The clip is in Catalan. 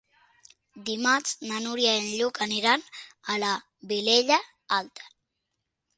Dimarts na Núria i en Lluc aniran a la Vilella Alta.